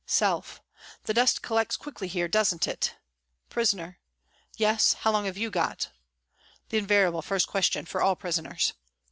Self :" The dust collects quickly here, doesn't it ?" Prisoner :" Yes, how long have you got ?" (The invariable first question for all prisoners.)